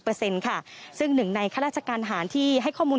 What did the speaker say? เปอร์เซ็นต์ค่ะซึ่งหนึ่งในข้าราชการที่ให้ข้อมูล